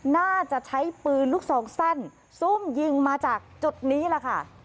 น่าจะใช้ปืนลูกซองสั้นซุ่มยิงมาจากจุดนี้แหละค่ะ